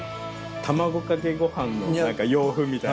卵かけご飯の洋風みたいな。